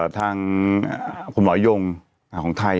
ทางคุณหมอยงของไทย